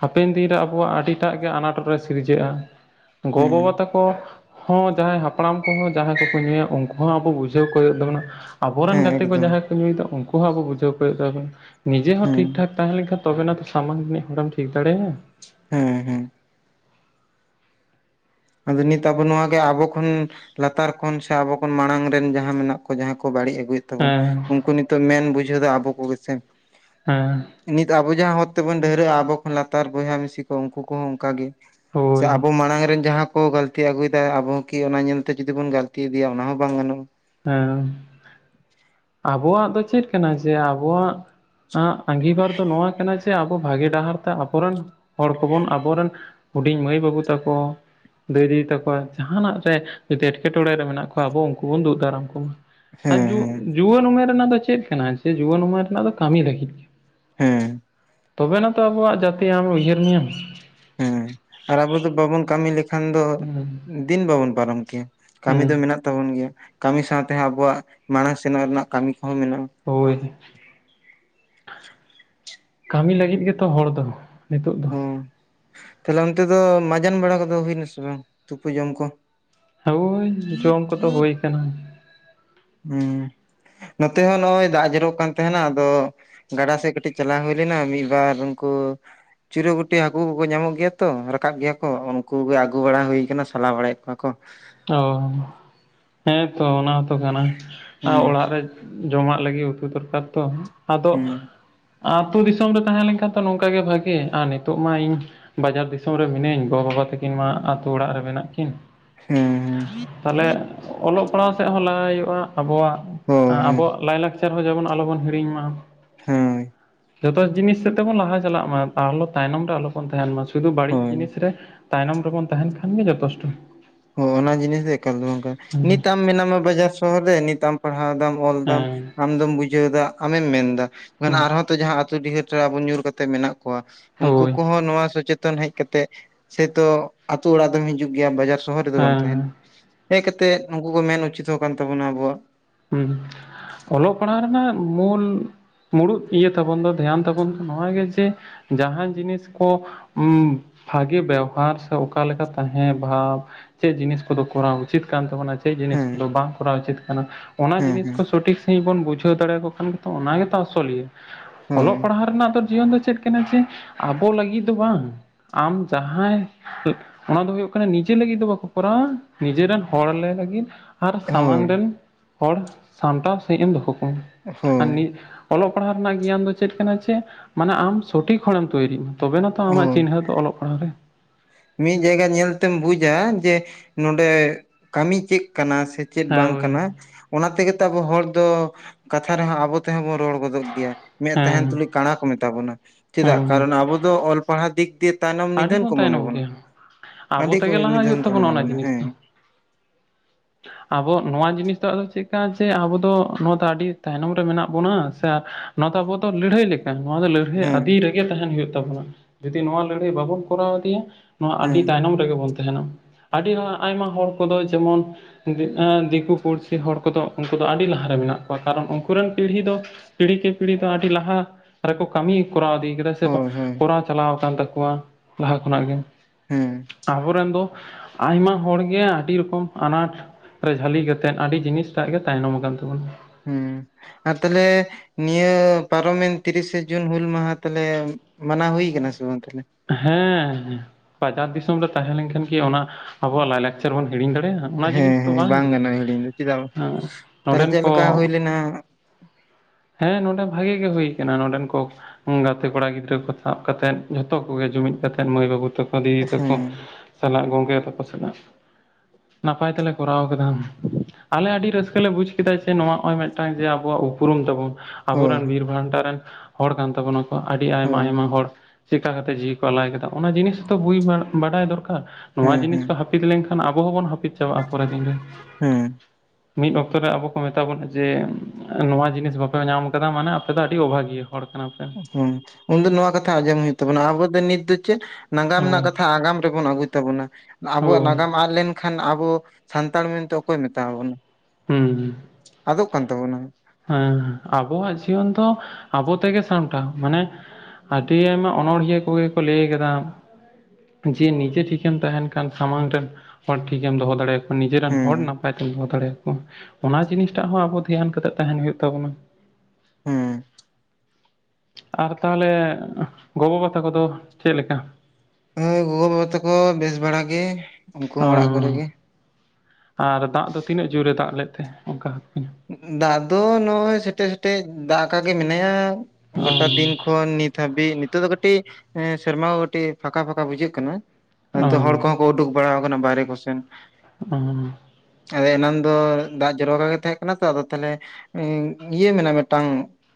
ᱦᱟᱯᱮᱱ ᱫᱤᱱᱨᱮ ᱟᱵᱚᱣᱟᱜ ᱟᱹᱰᱤᱴᱟᱜ ᱜᱮ ᱟᱱᱟᱴ ᱨᱮ ᱥᱤᱨᱡᱟᱹᱜᱼᱟ᱾ ᱜᱚ ᱵᱟᱵᱟ ᱦᱮᱸ ᱛᱟᱠᱚ ᱦᱚᱸ ᱡᱟᱸᱦᱟᱸᱭ ᱦᱟᱯ ᱦᱟᱯᱲᱟᱢ ᱠᱚᱦᱚᱸ ᱡᱟᱸᱦᱟᱸᱭ ᱠᱚᱠᱚ ᱧᱩᱭᱟ ᱩᱱᱠᱩ ᱦᱚᱸ ᱟᱵᱚ ᱵᱩᱡᱷᱟᱹᱣ ᱠᱚ ᱦᱩᱭᱩᱜ ᱛᱟᱵᱚᱱᱟ, ᱟᱵᱚᱨᱮᱱ ᱦᱮᱸ ᱜᱟᱛᱮ ᱠᱚ ᱮᱠᱫᱚᱢ ᱡᱟᱸᱦᱟᱸᱭ ᱠᱚ ᱧᱩᱭᱮᱫᱟ ᱩᱱᱠᱩ ᱩᱱᱠᱩ ᱦᱚᱸ ᱟᱵᱚ ᱵᱩᱡᱷᱟᱹᱣ ᱠᱚ ᱦᱩᱭᱩᱜ ᱛᱟᱵᱚᱱᱟ, ᱱᱤᱡᱮ ᱦᱚᱸ ᱦᱮᱸ ᱴᱷᱤᱠ ᱴᱷᱟᱠ ᱛᱟᱦᱮᱸ ᱞᱮᱱ ᱠᱷᱟᱱ ᱛᱚᱵᱮᱱᱟ ᱛᱚ ᱥᱟᱢᱟᱝ ᱨᱤᱱᱤᱪ ᱦᱚᱲᱮᱢ ᱴᱷᱤᱠ ᱫᱟᱲᱮᱭᱟᱜᱼᱟ᱾ ᱦᱮᱸ ᱦᱮᱸ ᱟᱫᱚ ᱱᱤᱛ ᱟᱵᱚ ᱱᱚᱣᱟ ᱜᱮ ᱟᱵᱚ ᱠᱷᱚᱱ ᱞᱟᱛᱟᱨ ᱠᱷᱚᱱ ᱥᱮ ᱟᱵᱚ ᱠᱷᱚᱱ ᱢᱟᱲᱟᱝ ᱨᱮᱱ ᱡᱟᱸᱦᱟᱸ ᱢᱮᱱᱟᱜ ᱠᱚ ᱡᱟᱦᱟᱸᱭ ᱠᱚ ᱵᱟᱹᱲᱤᱡ ᱟᱹᱜᱩᱭᱮᱫ ᱛᱟᱵᱚᱱ ᱦᱮᱸ ᱩᱱᱠᱩ ᱱᱤᱛᱚᱜ ᱢᱮᱱ ᱵᱩᱡᱷᱟᱹᱣ ᱫᱚ ᱟᱵᱚ ᱠᱚᱜᱮ ᱥᱮ᱾ ᱦᱮᱸ᱾ ᱱᱤᱛ ᱟᱵᱚ ᱡᱟᱸᱦᱟᱸ ᱦᱚᱨ ᱛᱮᱵᱚᱱ ᱰᱷᱟᱹᱨᱟᱹᱜᱼᱟ ᱟᱵᱚ ᱠᱷᱚᱱ ᱞᱟᱛᱟᱨ ᱵᱚᱭᱦᱟ ᱢᱤᱥᱤ ᱠᱚ ᱩᱱᱠᱩ ᱠᱚᱦᱚᱸ ᱚᱱᱠᱟ ᱜᱮ᱾ ᱥᱮ ᱦᱳᱭ ᱟᱵᱚ ᱢᱟᱲᱟᱝ ᱨᱮᱱ ᱡᱟᱦᱟᱸ ᱠᱚ ᱜᱟᱹᱞᱛᱤ ᱟᱹᱜᱩᱭ ᱮᱫᱟ᱾ ᱟᱵᱚ ᱦᱚᱸ ᱠᱤ ᱚᱱᱟ ᱧᱮᱞᱛᱮ ᱡᱩᱫᱤ ᱵᱚᱱ ᱜᱟᱹᱞᱛᱤ ᱤᱫᱤᱭᱟ, ᱚᱱᱟ ᱦᱚᱸ ᱵᱟᱝ ᱜᱟᱱᱚᱜᱼᱟ᱾ ᱦᱮᱸ ᱟᱵᱚᱣᱟᱜ ᱫᱚ ᱪᱮᱫ ᱠᱟᱱᱟ ᱡᱮ ᱟᱵᱚᱣᱟᱜ ᱟᱸᱜ ᱟᱸᱜᱤᱵᱟᱨ ᱫᱚ ᱱᱚᱣᱟ ᱠᱟᱱᱟ ᱡᱮ ᱟᱵᱚ ᱵᱷᱟᱹᱜᱤ ᱰᱟᱦᱟᱨ ᱛᱮ, ᱟᱵᱚᱨᱮᱱ ᱦᱚᱲ ᱠᱚᱵᱚᱱ, ᱟᱵᱚᱨᱮᱱ ᱦᱩᱰᱤᱧ ᱢᱟᱹᱭ- ᱵᱟᱹᱵᱩ ᱛᱟᱠᱚ᱾ ᱫᱟᱹᱭ ᱫᱤᱫᱤ ᱛᱟᱠᱚᱣᱟᱜ ᱡᱟᱦᱟᱱᱟᱜ ᱨᱮ ᱡᱩᱫᱤ ᱮᱴᱠᱮᱴᱚᱬᱮ ᱨᱮ ᱢᱮᱱᱟᱜ ᱠᱚᱣᱟ᱾ ᱟᱵᱚ ᱩᱱᱠᱩ ᱵᱚ ᱫᱩᱜ ᱫᱟᱨᱟᱢ ᱠᱚ ᱟᱨ ᱦᱮᱸ ᱦᱮᱸ ᱡᱩᱣᱟᱹᱱ ᱩᱢᱮᱨ ᱨᱮᱱᱟᱜ ᱫᱚ ᱪᱮᱫ ᱠᱟᱱᱟ ᱡᱮ ᱡᱩᱣᱟᱹᱱ ᱩᱢᱮᱨ ᱨᱮᱱᱟᱜ ᱫᱚ ᱠᱟᱹᱢᱤ ᱞᱟᱹᱜᱤᱫ ᱜᱮ᱾ ᱦᱮᱸ᱾ ᱛᱚᱵᱮᱱᱟᱜ ᱛᱚ ᱟᱵᱚᱣᱟᱜ ᱡᱟᱹᱛᱤ ᱟᱢᱮ ᱩᱭᱦᱟᱹᱨ ᱢᱮᱭᱟ᱾ ᱦᱮᱸ ᱟᱨ ᱟᱵᱚ ᱫᱚ ᱵᱟᱵᱚᱱ ᱠᱟᱹᱢᱤ ᱞᱮᱠᱷᱟᱱ ᱫᱚ ᱦᱩᱸ ᱫᱤᱱ ᱵᱟᱵᱚᱱ ᱯᱟᱨᱚᱢ ᱠᱮᱭᱟ᱾ ᱠᱟᱹᱢᱤ ᱦᱩᱸ ᱫᱚ ᱢᱮᱱᱟᱜ ᱛᱟᱵᱚᱱ ᱜᱮᱭᱟ᱾ ᱠᱟᱹᱢᱤ ᱥᱟᱶᱛᱮ ᱦᱟᱸᱜ ᱟᱵᱚᱣᱟᱜ ᱢᱟᱲᱟᱝ ᱥᱮᱱᱚᱜ ᱨᱮᱱᱟᱜ ᱠᱟᱹᱢᱤ ᱠᱚᱦᱚᱸ ᱢᱮᱱᱟᱜᱼᱟ᱾ ᱦᱳᱭ᱾ ᱠᱟᱹᱢᱤ ᱞᱟᱹᱜᱤᱫ ᱜᱮᱛᱚ ᱦᱚᱲ ᱫᱚ, ᱱᱤᱛᱚᱜ ᱫᱚ ᱦᱚᱸ ᱛᱟᱦᱞᱮ ᱚᱱᱛᱮ ᱫᱚ ᱢᱟᱡᱟᱱ ᱵᱮᱲᱟ ᱠᱚᱫᱚ ᱦᱩᱭᱱᱟ ᱥᱮ ᱵᱟᱝ ᱛᱩᱯᱩ ᱡᱚᱢ ᱠᱚ? ᱦᱳᱭ, ᱡᱚᱢ ᱠᱚᱫᱚ ᱦᱩᱭ ᱟᱠᱟᱱᱟ᱾ ᱦᱮᱸ ᱱᱚᱛᱮ ᱦᱚᱸ ᱱᱚᱜᱼᱚᱭ ᱫᱟᱜ ᱡᱚᱨᱚᱜ ᱠᱟᱱ ᱛᱟᱦᱮᱱᱟ᱾ ᱟᱫᱚ ᱜᱟᱰᱟ ᱥᱮᱫ ᱠᱟᱹᱴᱤᱡ ᱪᱟᱞᱟᱣ ᱦᱩᱭ ᱞᱮᱱᱟ, ᱢᱤᱫᱵᱟᱨ ᱩᱱᱠᱩ ᱪᱤᱨᱟᱹ ᱵᱩᱴᱤ ᱦᱟᱹᱠᱩ ᱠᱚᱠᱚ ᱧᱟᱢᱚᱜ ᱜᱮᱭᱟ ᱛᱚ, ᱨᱟᱠᱟᱵ ᱜᱮᱭᱟ ᱠᱚ᱾ ᱩᱱᱠᱩ ᱜᱮ ᱟᱹᱜᱩ ᱵᱟᱲᱟ ᱦᱩᱭ ᱠᱟᱱᱟ, ᱥᱟᱞᱟ ᱵᱟᱲᱟᱭᱮᱫ ᱠᱚᱣᱟ ᱠᱚ᱾ ᱚ ᱦᱮᱸ ᱛᱚ ᱚᱱᱟ ᱦᱚᱸᱛᱚ ᱠᱟᱱᱟ ᱟᱨ ᱦᱩᱸ ᱚᱲᱟᱜ ᱨᱮ ᱡᱚᱢᱟᱜ ᱞᱟᱹᱜᱤᱫ ᱩᱛᱩ ᱫᱚᱨᱠᱟᱨ ᱛᱚ, ᱟᱫᱚ ᱦᱩᱸ ᱟᱹᱛᱩ ᱫᱤᱥᱚᱢ ᱨᱮ ᱛᱟᱦᱮᱸ ᱞᱮᱱᱠᱷᱟᱱ ᱛᱚ ᱱᱚᱝᱠᱟ ᱜᱮ ᱵᱷᱟᱹᱜᱮ ᱟᱨ ᱱᱤᱛᱚᱜ ᱢᱟ ᱤᱧ ᱵᱟᱡᱟᱨ ᱫᱤᱥᱚᱢ ᱨᱮ ᱢᱤᱱᱟᱹᱧ, ᱜᱚ-ᱵᱟᱵᱟ ᱛᱤᱠᱤᱱ ᱢᱟ ᱟᱹᱛᱩ ᱚᱲᱟᱜ ᱨᱮ ᱢᱮᱱᱟᱜ ᱠᱤᱱ᱾ ᱦᱩᱸ ᱛᱟᱦᱚᱞᱮ ᱚᱞᱚᱜ ᱯᱟᱲᱦᱟᱣ ᱥᱮᱫ ᱦᱚᱸ ᱞᱟᱜᱟᱣ ᱦᱩᱭᱩᱜᱼᱟ, ᱟᱵᱚᱣᱟᱜ ᱦᱳᱭ ᱟᱵᱚᱣᱟᱜ ᱞᱟᱹᱭ-ᱞᱟᱹᱠᱪᱟᱨ ᱞᱟᱠᱪᱟᱨ ᱦᱚᱸ ᱡᱮᱢᱚᱱ ᱟᱞᱚᱵᱚᱱ ᱦᱤᱲᱤᱧ ᱢᱟ ᱦᱳᱭ᱾ ᱡᱚᱛᱚ ᱡᱤᱱᱤᱥ ᱥᱮᱫ ᱛᱮ ᱵᱚᱱ ᱞᱟᱦᱟ ᱪᱟᱞᱟᱜ ᱢᱟ, ᱛᱟᱦᱚᱞᱮ ᱛᱟᱭᱱᱚᱢ ᱨᱮ ᱟᱞᱚᱵᱚᱱ ᱛᱟᱦᱮᱱ ᱢᱟ ᱥᱩᱫᱩ ᱵᱟᱹᱲᱤᱡ ᱦᱳᱭ ᱡᱤᱱᱤᱥ ᱨᱮ ᱛᱟᱭᱱᱚᱢ ᱨᱮᱵᱚᱱ ᱛᱟᱦᱮᱱ ᱠᱷᱟᱱ ᱜᱮ ᱡᱚᱛᱷᱮᱥᱴᱚ᱾ ᱦᱚᱸ ᱚᱱᱟ ᱡᱤᱱᱤᱥ ᱫᱚ ᱮᱠᱟᱞ ᱫᱚ ᱵᱟᱝ ᱠᱟᱱᱟ, ᱱᱤᱛ ᱟᱢ ᱢᱮᱱᱟᱢᱟ ᱵᱟᱡᱟᱨ ᱥᱚᱦᱚᱨ ᱨᱮ, ᱱᱤᱛ ᱟᱢ ᱯᱟᱲᱦᱟᱣ ᱮᱫᱟᱢ, ᱚᱞ ᱮᱫᱟᱢ, ᱦᱮᱸ ᱟᱢ ᱫᱚᱢ ᱵᱩᱡᱷᱟᱹᱣ ᱮᱫᱟ, ᱟᱢᱮᱢ ᱢᱮᱱ ᱮᱫᱟ, ᱦᱮᱸ ᱟᱨᱦᱚᱸ ᱛᱚ ᱡᱟᱦᱟᱸ ᱟᱹᱛᱩ ᱫᱤᱦᱟᱹᱛ ᱨᱮ ᱟᱵᱚ ᱧᱩᱨ ᱠᱟᱛᱮᱫ ᱢᱮᱱᱟᱜ ᱠᱚᱣᱟ, ᱩᱱᱠᱩ ᱦᱳᱭ ᱠᱚᱦᱚᱸ ᱱᱚᱣᱟ ᱥᱚᱪᱮᱛᱚᱱ ᱦᱮᱡ ᱠᱟᱛᱮᱫ ᱥᱮᱛᱚ ᱟᱹᱛᱩ ᱚᱲᱟᱜ ᱫᱚᱢ ᱦᱤᱡᱩᱜ ᱜᱮᱭᱟ, ᱵᱟᱡᱟᱨᱼᱥᱚᱦᱚᱨ ᱨᱮᱫᱚ ᱵᱟᱢ ᱛᱟᱦᱮᱱᱼᱟ᱾ ᱦᱮᱸ ᱦᱮᱡ ᱠᱟᱛᱮᱜ ᱩᱱᱠᱩ ᱠᱚ ᱢᱮᱱ ᱩᱪᱤᱛᱚ ᱦᱚᱸ ᱠᱟᱱ ᱛᱟᱵᱚᱱᱟ, ᱟᱵᱚᱣᱟᱜ᱾ ᱦᱮᱸ ᱚᱞᱚᱜᱼᱯᱟᱲᱦᱟᱣ ᱨᱮᱱᱟᱜ ᱢᱩᱞ ᱢᱩᱲᱩᱫ ᱤᱭᱟᱹ ᱛᱟᱵᱚᱱ ᱫᱚ ᱫᱷᱮᱭᱟᱱ ᱛᱟᱵᱚᱱ ᱫᱚ ᱱᱤᱭᱟ ᱜᱮ ᱡᱮ ᱡᱟᱦᱟᱱ ᱡᱤᱱᱤᱥ ᱠᱚ ᱵᱷᱟᱹᱜᱮ ᱵᱮᱣᱦᱟᱨ ᱥᱮ ᱚᱠᱟ ᱞᱮᱠᱟ ᱛᱟᱦᱮᱸ ᱵᱷᱟᱵᱽ ᱪᱮᱫ ᱡᱤᱱᱤᱥ ᱠᱚᱫᱚ ᱠᱚᱨᱟᱣ ᱩᱪᱤᱛ ᱠᱟᱱ ᱛᱟᱵᱚᱱᱟ? ᱪᱮᱫ ᱡᱤᱱᱤᱥ ᱠᱚᱫᱚ ᱦᱮᱸ ᱵᱟᱝ ᱠᱚᱨᱟᱣ ᱩᱪᱤᱛ ᱠᱟᱱᱟ? ᱚᱱᱟ ᱦᱮᱸ ᱡᱤᱱᱤᱥ ᱦᱮᱸ ᱠᱚ ᱥᱚᱴᱷᱤᱠ ᱥᱟᱺᱦᱤᱡ ᱵᱚᱱ ᱵᱩᱡᱷᱟᱹᱣ ᱫᱟᱲᱮᱭᱟ ᱠᱚ ᱠᱷᱟᱱ ᱜᱮᱛᱚ, ᱚᱱᱟ ᱜᱮᱛᱚ ᱟᱥᱚᱞ ᱤᱭᱟᱹ ᱚᱞᱚᱜ ᱦᱳᱭ ᱯᱟᱲᱦᱟᱜ ᱨᱮᱱᱟᱜ ᱫᱚ ᱡᱤᱭᱚᱱ ᱫᱚ ᱪᱮᱫ ᱠᱟᱱᱟ ᱡᱮ ᱟᱵᱚ ᱞᱟᱹᱜᱤᱫ ᱫᱚ ᱵᱟᱝ ᱟᱢ ᱡᱟᱦᱟᱸᱭ ᱚᱱᱟ ᱫᱚ ᱦᱩᱭᱩᱜ ᱠᱟᱱᱟ, ᱱᱤᱡᱮ ᱞᱟᱹᱜᱤᱫ ᱫᱚ ᱵᱟᱠᱚ ᱠᱚᱨᱟᱣᱟ ᱱᱤᱡᱮᱨᱮᱱ ᱦᱚᱲ ᱞᱟᱹᱜᱤᱫ ᱟᱨ ᱥᱟᱢᱟᱝ ᱦᱳᱭ ᱨᱮᱱ ᱦᱚᱲ ᱥᱟᱢᱴᱟᱲ ᱥᱟᱺᱦᱤᱡ ᱮᱢ ᱫᱚᱦᱚ ᱠᱚᱢᱟ ᱟᱨ ᱦᱳᱭ ᱱᱤᱼᱼ ᱚᱞᱚᱜ ᱯᱟᱲᱦᱟᱣ ᱨᱮᱱᱟᱜ ᱜᱮᱭᱟᱱ ᱫᱚ ᱪᱮᱫ ᱠᱟᱱᱟ? ᱪᱮ ᱢᱟᱱᱮ ᱟᱢ ᱥᱚᱴᱷᱤᱠ ᱦᱚᱲᱮᱢ ᱛᱳᱭᱨᱤᱜ ᱮᱱᱟ᱾ ᱛᱚᱵᱮᱱᱟ ᱛᱚ, ᱟᱢᱟᱜ ᱦᱳᱭ ᱪᱤᱱᱦᱟᱹ ᱫᱚ ᱚᱞᱚᱜᱼᱯᱟᱲᱦᱟᱜ ᱨᱮ ᱢᱤᱫ ᱡᱟᱭᱜᱟ ᱧᱮᱞ ᱛᱮᱢ ᱵᱩᱡᱟ ᱡᱮ ᱱᱚᱰᱮ ᱠᱟᱹᱢᱤ ᱪᱮᱫ ᱠᱟᱱᱟ ᱥᱮ ᱪᱮᱫ ᱵᱟᱝ ᱦᱳᱭ ᱠᱟᱱᱟ᱾ ᱚᱱᱟ ᱛᱮᱜᱮ ᱛᱚ ᱟᱵᱚ ᱦᱚᱲ ᱫᱚ ᱠᱟᱹᱛᱷᱟ ᱨᱮᱦᱚᱸ ᱟᱵᱚ ᱛᱮᱦᱚᱸ ᱵᱚᱱ ᱨᱚᱲ ᱜᱚᱫᱚᱜ ᱜᱮᱭᱟ, ᱢᱮᱫ ᱛᱟᱦᱮᱱ ᱦᱮᱸ ᱛᱩᱞᱩᱡ ᱠᱟᱬᱟ ᱠᱚ ᱢᱮᱛᱟ ᱵᱚᱱᱟ, ᱪᱮᱫᱟᱜ? ᱦᱮᱸ ᱠᱟᱨᱚᱱ ᱟᱵᱚ ᱫᱚ ᱚᱞ ᱯᱟᱲᱦᱟᱣ ᱫᱤᱠ ᱫᱤᱭᱮ ᱛᱟᱭᱱᱚᱢ ᱟᱹᱰᱤ ᱱᱤᱫᱷᱟᱹᱱ ᱠᱚ ᱵᱚᱱ ᱢᱚᱱᱮ ᱛᱟᱭᱱᱚᱢ ᱵᱚᱱᱟ, ᱜᱮᱭᱟ ᱟᱵᱚ ᱟᱹᱰᱤ ᱠᱚ ᱛᱮᱜᱮ ᱞᱟᱦᱟ ᱱᱤᱫᱷᱟᱹᱱ ᱦᱩᱭᱩᱜ ᱠᱚ ᱛᱟᱵᱚᱱᱟ ᱢᱚᱱᱮ ᱚᱱᱟ ᱵᱚᱱᱟ ᱦᱮᱸ [INAUDIBLE] ᱟᱵᱚᱣᱟᱜ ᱱᱚᱣᱟ ᱡᱤᱱᱤᱥ ᱫᱚ ᱟᱫᱚ ᱪᱮᱫ ᱠᱟ ᱡᱮ ᱟᱵᱚ ᱫᱚ ᱱᱚᱣᱟ ᱫᱚ ᱟᱹᱰᱤ ᱛᱟᱭᱱᱚᱢ ᱨᱮ ᱢᱮᱱᱟᱜ ᱵᱚᱱᱟ ᱥᱮ ᱱᱚᱣᱟ ᱫᱚ ᱟᱵᱚ ᱫᱚ ᱞᱟᱹᱲᱦᱟᱹᱭ ᱞᱮ [UNINTELLIGIBLE] ᱱᱚᱣᱟ ᱫᱚ ᱞᱟᱹᱲᱦᱟᱹᱭ ᱦᱮᱸ ᱟᱹᱫᱤ ᱨᱮᱜᱮ ᱛᱟᱦᱮᱱ ᱦᱩᱭᱩᱜ ᱛᱟᱵᱚᱱᱟ ᱡᱩᱫᱤ ᱱᱚᱣᱟ ᱞᱟᱹᱲᱦᱟᱹᱭ ᱵᱟᱵᱚᱱ ᱠᱚᱨᱟᱣ ᱤᱫᱮᱭᱟ ᱱᱚᱣᱟ ᱟᱹᱰᱤ ᱦᱮᱸ ᱛᱟᱭᱱᱚᱢ ᱨᱮᱜᱮ ᱵᱚᱱ ᱛᱟᱦᱮᱱᱟ, ᱟᱹᱰᱤ ᱱᱚᱣᱟ ᱟᱭᱢᱟ ᱦᱚᱲ ᱠᱚᱫᱚ ᱡᱮᱢᱚᱱ [UNINTELLIGIBLE] ᱫᱤᱠᱩ ᱯᱩᱲᱥᱤ ᱦᱚᱲ ᱠᱚᱫᱚ ᱩᱱᱠᱩ ᱫᱚ ᱟᱹᱰᱤ ᱞᱟᱦᱟᱨᱮ ᱢᱮᱱᱟᱜ ᱠᱚᱣᱟ ᱠᱟᱨᱚᱱ ᱩᱱᱠᱩ ᱨᱮᱱ ᱯᱤᱲᱦᱤ ᱫᱚ ᱯᱤᱲᱦᱤ ᱠᱮ ᱯᱤᱲᱦᱤ ᱫᱚ ᱟᱹᱰᱤ ᱞᱟᱦᱟ ᱨᱮᱠᱚ ᱠᱟᱢᱤ ᱠᱚᱨᱟᱣᱫᱤ ᱠᱮᱫᱟ ᱥᱮ ᱦᱳᱭ ᱦᱳᱭ ᱠᱚᱨᱟᱣ ᱪᱟᱞᱟᱣ ᱠᱟᱱ ᱛᱟᱠᱚᱣᱟ ᱞᱟᱦᱟ ᱠᱷᱚᱱᱟᱜ ᱜᱮ ᱦᱮᱸ ᱟᱵᱚᱨᱮᱱ ᱫᱚ ᱟᱭᱢᱟ ᱦᱚᱲᱜᱮ ᱟᱹᱰᱤ ᱨᱚᱠᱚᱢ ᱟᱱᱟᱴ ᱨᱮ ᱡᱷᱟᱞᱤ ᱠᱟᱛᱮᱫ ᱟᱹᱰᱤ ᱡᱤᱱᱤᱥᱴᱟᱜ ᱜᱮ ᱛᱟᱭᱱᱚᱢ ᱠᱟᱱ ᱛᱟᱵᱚᱱᱟ ᱦᱮᱸ ᱟᱨ ᱛᱟᱦᱞᱮ ᱱᱤᱭᱟᱹ ᱯᱟᱨᱚᱢᱮᱱ ᱛᱤᱨᱤᱥᱮ ᱡᱩᱱ ᱦᱩᱱ ᱢᱟᱦᱟ ᱛᱟᱦᱞᱮ ᱢᱟᱱᱟᱣ ᱦᱩᱭ ᱠᱟᱱᱟ ᱥᱮ ᱵᱟᱝ ᱛᱟᱦᱞᱮ? ᱦᱮᱸ ᱵᱟᱡᱟᱨ ᱫᱤᱥᱚᱢ ᱨᱮ ᱛᱟᱦᱮᱸ ᱞᱮᱱᱠᱷᱟᱱ ᱠᱤ ᱚᱱᱟ ᱟᱵᱚᱣᱟᱜ ᱞᱟᱭᱞᱟᱠᱪᱟᱨ ᱵᱚᱱ ᱦᱤᱲᱤᱧ ᱫᱟᱲᱮᱭᱟᱜᱼᱟ, ᱚᱱᱟ ᱦᱮᱸ ᱡᱤᱱᱤᱥ ᱫᱚ ᱦᱮᱸ ᱵᱟᱝ ᱵᱟᱝᱜᱮ ᱜᱟᱱᱚᱜᱼᱟ ᱦᱤᱲᱤᱧ ᱫᱚ ᱪᱮᱫᱟᱜ ᱵᱟᱝ᱾ ᱦᱮᱸ ᱛᱟᱦᱞᱮ ᱱᱚᱰᱮᱱ ᱪᱮᱫ ᱠᱚ ᱞᱮᱠᱟ ᱦᱩᱭ ᱞᱮᱱᱟ? ᱦᱮᱸ ᱱᱚᱰᱮ ᱵᱷᱟᱜᱮ ᱜᱮ ᱦᱳᱭ ᱠᱟᱱᱟ ᱱᱚᱰᱮᱱ ᱠᱚ ᱜᱟᱛᱮ ᱠᱚᱲᱟ ᱜᱤᱫᱽᱨᱟᱹ ᱠᱚ ᱥᱟᱵ ᱠᱟᱛᱮᱜ [UNINTELLIGIBLE] ᱡᱚᱛᱚ ᱠᱚᱜᱮ ᱡᱩᱢᱤᱫ ᱠᱟᱛᱮᱫ ᱢᱟᱹᱭ ᱵᱟᱹᱵᱩ ᱛᱟᱠᱚ ᱫᱤᱫᱤ ᱛᱟᱠᱚ ᱦᱮᱸ ᱥᱟᱞᱟᱜ ᱜᱚᱝᱠᱮ ᱛᱟᱠᱚ ᱥᱟᱞᱟᱜ ᱱᱟᱯᱟᱭ ᱛᱮᱞᱮ ᱠᱚᱨᱟᱣ ᱠᱮᱫᱟ ᱟᱞᱮ ᱟᱹᱰᱤ ᱨᱟᱹᱥᱠᱟᱹ ᱞᱮ ᱵᱩᱡᱽ ᱠᱮᱫᱟ ᱡᱮ ᱱᱚᱜᱼᱚᱭ ᱢᱤᱫᱴᱟᱝ ᱡᱮ ᱟᱵᱚᱣᱟᱜ ᱩᱯᱨᱩᱢ ᱛᱟᱵᱚᱱ ᱟᱵᱚ ᱦᱳᱭ ᱨᱮᱱ ᱵᱤᱨ ᱵᱷᱟᱱᱴᱟ ᱨᱮᱱ ᱦᱚᱲ ᱠᱟᱱ ᱛᱟᱵᱚᱱᱟ ᱠᱚ ᱟᱹᱰᱤ ᱟᱭᱢᱟ ᱦᱳᱭ ᱟᱭᱢᱟ ᱦᱚᱲ ᱪᱤᱠᱟᱹ ᱠᱟᱛᱮᱫ ᱡᱤᱣᱤ ᱠᱚ ᱟᱞᱟᱭ ᱠᱟᱫᱟ ᱚᱱᱟ ᱡᱤᱱᱤᱥ ᱛᱚ [UNINTELLIGIBLE] ᱵᱟᱰᱟᱭ ᱫᱚᱨᱠᱟᱨ ᱱᱚᱣᱟ ᱦᱮᱸ ᱡᱤᱱᱤᱥ ᱦᱮᱸ ᱠᱚ [UNINTELLIGIBLE] ᱦᱟᱹᱯᱤᱫ ᱞᱮᱱᱠᱷᱟᱱ ᱟᱵᱚ ᱦᱚᱸᱵᱚᱱ ᱦᱟᱹᱯᱤᱫ ᱪᱟᱵᱟᱜᱼᱟ ᱯᱚᱨᱮ ᱫᱤᱱ ᱨᱮ ᱦᱮᱸ ᱢᱤᱫ ᱚᱠᱛᱚ ᱨᱮ ᱟᱵᱚ ᱠᱚ ᱢᱮᱛᱟᱵᱚᱱᱟ ᱡᱮ ᱱᱚᱣᱟ ᱡᱤᱱᱤᱥ ᱵᱟᱯᱮ ᱧᱟᱢ ᱠᱟᱫᱟ ᱢᱟᱱᱮ ᱟᱯᱮ ᱫᱚ ᱟᱹᱰᱤ ᱚᱵᱷᱟᱜᱤᱭᱟᱹ ᱦᱚᱲ ᱠᱟᱱᱟ ᱯᱮ ᱦᱩᱸ ᱩᱱ ᱫᱚ ᱱᱚᱣᱟ ᱠᱟᱛᱷᱟ ᱟᱸᱡᱚᱢ ᱦᱩᱭᱩᱜ ᱛᱟᱵᱚᱱᱟ ᱟᱵᱚ ᱫᱚ ᱱᱤᱛ ᱫᱚ ᱪᱮᱫ ᱱᱟᱜᱟᱢ ᱨᱮᱱᱟᱜ ᱦᱳᱭ ᱠᱟᱛᱷᱟ ᱟᱜᱟᱢ ᱨᱮᱵᱚᱱ [UNINTELLIGIBLE] ᱛᱟᱵᱚᱱᱟ ᱟᱵᱚᱣᱟᱜ ᱦᱳᱭ ᱱᱟᱜᱟᱢ ᱟᱫ ᱞᱮᱱᱠᱷᱟᱱ ᱟᱵᱚ ᱥᱟᱱᱛᱟᱲ ᱢᱮᱱᱛᱮ ᱚᱠᱚᱭ ᱢᱮᱛᱟᱵᱚᱱᱟ ᱦᱩᱸ ᱟᱫᱚᱜ ᱠᱟᱱ ᱛᱟᱵᱚᱱᱟ ᱦᱮᱸ ᱟᱵᱚᱣᱟᱜ ᱡᱤᱭᱚᱱ ᱫᱚ ᱟᱵᱚ ᱛᱮᱜᱮ ᱥᱟᱢᱴᱟᱣ, ᱢᱟᱱᱮ ᱟᱹᱰᱤ ᱟᱭᱢᱟ ᱚᱱᱚᱲᱦᱤᱭᱟᱹ ᱠᱚᱜᱮ ᱠᱚ ᱞᱟᱹᱭ ᱠᱟᱫᱟ ᱡᱮ ᱱᱤᱡᱮ ᱴᱷᱤᱠ ᱮᱢ ᱛᱟᱦᱮᱱ ᱠᱷᱟᱱ ᱥᱟᱢᱟᱝ ᱨᱮᱱ ᱦᱚᱲ ᱴᱷᱤᱠ ᱮᱢ ᱫᱚᱦᱚ ᱫᱟᱲᱮ ᱱᱤᱡᱮ ᱨᱮᱱ ᱦᱚᱲ ᱦᱮᱸ ᱱᱟᱯᱟᱭ ᱛᱮᱢ ᱫᱚᱦᱚ ᱫᱟᱲᱮᱭᱟ ᱠᱚᱣᱟ, ᱚᱱᱟ ᱡᱤᱱᱤᱥ ᱴᱟᱜ ᱦᱚᱸ ᱟᱵᱚ ᱫᱷᱮᱭᱟᱱ ᱠᱟᱛᱮ ᱛᱟᱦᱮᱱ ᱦᱩᱭᱩᱜ ᱛᱟᱵᱚᱱᱟ ᱦᱩᱸ ᱟᱨ ᱛᱟᱦᱞᱮ ᱜᱚ ᱵᱟᱵᱟ ᱛᱟᱠᱚ ᱫᱚ ᱪᱮᱫ ᱞᱮᱠᱟ? ᱦᱳᱭ ᱜᱚᱜᱚ ᱵᱟᱵᱟ ᱛᱟᱠᱚ ᱵᱮᱥ ᱵᱟᱲᱟ ᱜᱮ ᱩᱱᱠᱩ ᱚ ᱦᱚᱸ ᱚᱲᱟᱜ ᱠᱚᱨᱮ ᱜᱮ ᱟᱨ ᱫᱟᱜ ᱫᱚ ᱛᱤᱱᱟᱹᱜ ᱡᱳᱨ ᱮ ᱫᱟᱜ ᱞᱮᱫ ᱛᱮ ᱚᱱᱠᱟ ᱦᱟᱹᱠᱩ ᱫᱟᱜ ᱫᱚ ᱱᱚ-ᱚᱭ ᱥᱮᱴᱮᱡ ᱥᱮᱴᱮᱡ ᱫᱟᱜ ᱟᱠᱟ ᱜᱮ ᱢᱮᱱᱟᱭᱟ ᱚ ᱜᱚᱴᱟ ᱫᱤᱱ ᱠᱷᱚᱱ ᱱᱤᱛ ᱦᱟᱹᱵᱤᱡ ᱱᱤᱛᱚᱜ ᱫᱚ ᱠᱟᱹᱴᱤᱡ ᱥᱮᱨᱢᱟ ᱠᱚ ᱠᱟᱹᱴᱤᱡ ᱯᱷᱟᱸᱠᱟ ᱯᱷᱟᱸᱠᱟ ᱵᱩᱡᱷᱟᱹᱜ ᱠᱟᱱᱟ ᱚ [UNINTELLIGIBLE] ᱦᱚᱲ ᱠᱚᱦᱚᱸ ᱠᱚ ᱳᱰᱳᱠ ᱵᱟᱲᱟ ᱟᱠᱟᱱᱟ ᱵᱟᱦᱨᱮ ᱠᱚ‌ᱥᱮᱱ [UNINTELLIGIBLE] ᱟᱫᱚ ᱮᱱᱟᱱ ᱫᱚ ᱫᱟᱜ ᱡᱚᱨᱚ ᱟᱠᱟ ᱜᱮ ᱛᱟᱦᱮ ᱚᱱᱟ ᱛᱚ ᱟᱫᱚ ᱛᱟᱦᱞᱮ ᱤᱭᱟᱹ ᱢᱮᱱᱟᱜᱼᱟ ᱢᱤᱫᱴᱟᱝ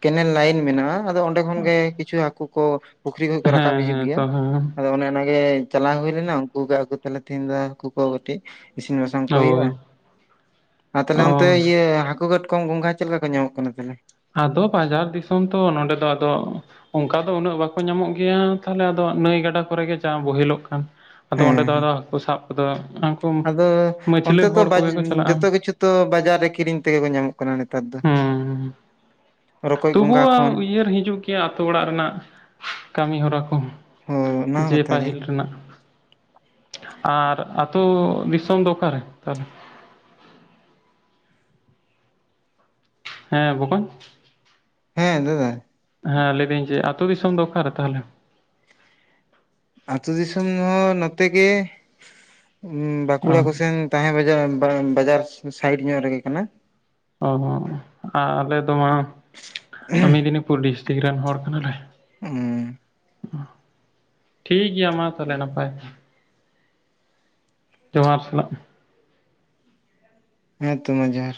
ᱠᱮᱱᱮᱞ ᱞᱟᱹᱭᱤᱱ ᱢᱮᱱᱟᱜᱼᱟ ᱟᱫᱚ ᱚᱸᱰᱮ ᱠᱷᱚᱱ ᱜᱮ ᱠᱤᱪᱷᱩ ᱦᱟᱹᱠᱩ ᱠᱚ ᱯᱩᱠᱷᱨᱤ ᱠᱷᱚᱡ ᱠᱚ ᱨᱟᱠᱟᱵ ᱦᱤᱡᱩᱜ ᱦᱮᱸ ᱜᱮᱭᱟ ᱛᱚ ᱦᱮᱸ ᱟᱫᱚ ᱚᱱᱮ ᱚᱱᱟ ᱜᱮ ᱪᱟᱞᱟᱣ ᱦᱩᱭ ᱞᱮᱱᱟ ᱩᱱᱠᱩ ᱠᱚ ᱟᱜᱩ ᱛᱟᱦᱞᱮ ᱛᱤᱦᱤᱧ ᱫᱚ [UNINTELLIGIBLE] ᱠᱚ ᱠᱟᱹᱴᱤᱡ ᱤᱥᱤᱱ ᱵᱟᱥᱟᱝ ᱠᱚ ᱦᱳᱭ ᱦᱩᱭᱩᱜᱼᱟ, ᱟᱨ ᱛᱟᱦᱞᱮ ᱚ ᱚᱱᱛᱮ ᱤᱭᱟᱹ ᱦᱟᱹᱠᱩ ᱠᱟᱴᱠᱚᱢ ᱜᱚᱝᱜᱷᱟ ᱪᱮᱫ ᱞᱮᱠᱟ ᱠᱚ ᱧᱟᱢᱚᱜ ᱠᱟᱱᱟ ᱛᱟᱦᱞᱮ? ᱟᱫᱚ ᱵᱟᱡᱟᱨ ᱫᱤᱥᱚᱢ ᱛᱚ ᱱᱚᱰᱮ ᱫᱚ ᱟᱫᱚ, ᱚᱱᱠᱟ ᱫᱚ ᱩᱱᱟᱹᱜ ᱵᱟᱠᱚ ᱧᱟᱢᱚᱜ ᱜᱮᱭᱟ, ᱛᱟᱦᱞᱮ ᱟᱫᱚ ᱱᱟᱹᱭ ᱜᱟᱰᱟ ᱠᱚᱨᱮ ᱜᱮ ᱡᱟ ᱵᱳᱦᱮᱞ ᱚᱜ ᱠᱟᱱ᱾ ᱟᱫᱚ ᱦᱮᱸ ᱚᱸᱰᱮ ᱫᱚ ᱦᱮᱸ ᱟᱫᱚ ᱦᱟᱹᱠᱩ ᱥᱟᱵ ᱠᱚᱫᱚ ᱩᱱᱠᱩ ᱟᱫᱚ ᱢᱟᱹᱪᱷᱞᱟᱹ ᱚᱱᱛᱮ ᱛᱚ ᱦᱚᱲ ᱠᱚᱜᱮ ᱠᱚ ᱪᱟᱞᱟᱜᱼᱟ ᱡᱚᱛᱚ ᱠᱤᱪᱷᱩ ᱛᱚ ᱵᱟᱡᱟᱨ ᱨᱮ ᱠᱤᱨᱤᱧ ᱛᱮᱜᱮ ᱠᱚ ᱧᱟᱢᱚᱜ ᱠᱟᱱᱟ ᱱᱮᱛᱟᱨ ᱫᱚ᱾ ᱨᱚᱠᱚᱡ ᱛᱚᱵᱩ ᱜᱚᱸᱜᱷᱟ ᱦᱚᱸ ᱠᱷᱚᱱ ᱩᱭᱦᱟᱹᱨ ᱦᱤᱡᱩᱜ ᱜᱮᱭᱟ ᱟᱹᱛᱳ ᱚᱲᱟᱜ ᱨᱮᱱᱟᱜ ᱠᱟᱹᱢᱤ ᱦᱚᱨᱟ ᱠᱚ ᱾ ᱦᱳᱭ ᱚᱱᱟ ᱦᱚᱸ ᱡᱮ ᱠᱟᱛᱷᱟ ᱜᱮ ᱯᱟᱹᱦᱤᱞ ᱨᱮᱱᱟᱜ ᱟᱨ ᱟᱹᱛᱳ ᱫᱤᱥᱚᱢ ᱫᱚ ᱚᱠᱟᱨᱮ ᱛᱟᱦᱞᱮ? ᱦᱮᱸ ᱵᱚᱠᱚᱧ, ᱦᱮᱸ ᱫᱟᱫᱟ᱾ ᱦᱮᱸ ᱞᱟᱹᱭ ᱫᱟᱹᱧ ᱡᱮ ᱟᱹᱛᱳ ᱫᱤᱥᱚᱢ ᱫᱚ ᱚᱠᱟ ᱨᱮ ᱛᱟᱦᱞᱮ? ᱟᱹᱛᱳ ᱫᱤᱥᱚᱢ ᱦᱚᱸ ᱱᱚᱛᱮ ᱜᱮ ᱵᱟᱸᱠᱩᱲᱟ ᱠᱚ ᱚ ᱥᱮᱱ ᱛᱟᱦᱮᱸ ᱵᱟᱡᱟᱨ ᱵᱟᱡᱟᱨ ᱥᱟᱭᱤᱰ ᱧᱚᱜ ᱨᱮᱜᱮ ᱠᱟᱱᱟ᱾ ᱚ ᱦᱚᱸ ᱟᱞᱮ ᱫᱚᱢᱟ ᱢᱮᱫᱽᱱᱤᱯᱩᱨ ᱰᱤᱥᱴᱤᱠ ᱨᱮᱱ ᱦᱚᱲ ᱠᱟᱱᱟ ᱞᱮ᱾ [UNINTELLIGIBLE] ᱴᱷᱤᱠ ᱜᱮᱭᱟ ᱢᱟ ᱛᱟᱦᱞᱮ ᱱᱟᱯᱟᱭ ᱡᱚᱦᱟᱨ ᱥᱟᱞᱟᱜ᱾ ᱦᱮᱸ ᱛᱚ ᱢᱟ ᱡᱚᱦᱟᱨ᱾